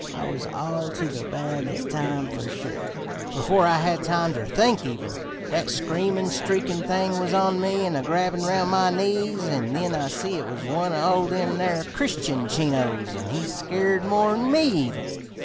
I was all to the bad that time fer sure. Before I had time ter think even, that screamin', streakin' thing was on me an a grabbin' roun' my knees; an' then I see it was one o' them near Christian Chinos, an' he's skeered more'n me even.